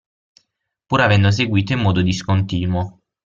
Pur avendo seguito in modo discontinuo.